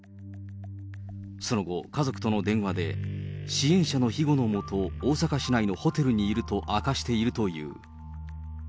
その後、家族との電話で、支援者の庇護の下、大阪市内のホテルにいると明かしているという。